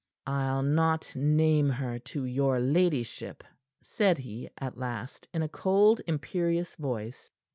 "I'll not name her to your ladyship," said he at, last, in a cold, imperious voice.